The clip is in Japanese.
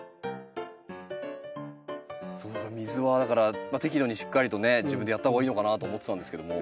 水はだから適度にしっかりとね自分でやったほうがいいのかなと思ってたんですけども。